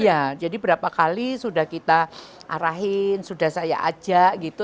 iya jadi berapa kali sudah kita arahin sudah saya ajak gitu